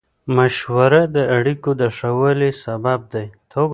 مشوره د اړیکو د ښه والي سبب دی.